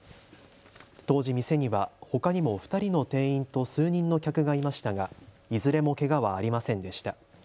当時、店にはほかにも２人の店員と数人の客がいましたがいずれもけがはありませんでした。